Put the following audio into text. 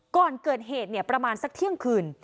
ก่อนเกิดเหตุประมาณสักเที่ยงคืน